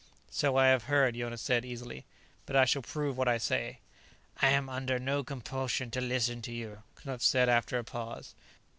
"So I have heard," Jonas said easily. "But I shall prove what I say." "I am under no compulsion to listen to you," Knupf said after a pause.